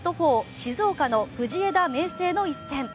静岡の藤枝明誠の一戦。